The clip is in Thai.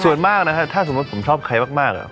ส่วนมากนะฮะถ้าสมมุติผมชอบใครมาก